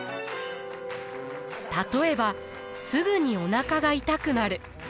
例えばすぐにおなかが痛くなる。